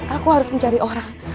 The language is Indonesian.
aku harus mencari orang